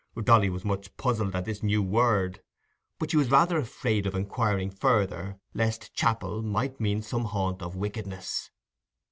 Dolly was much puzzled at this new word, but she was rather afraid of inquiring further, lest "chapel" might mean some haunt of wickedness.